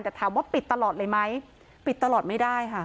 แต่ถามว่าปิดตลอดเลยไหมปิดตลอดไม่ได้ค่ะ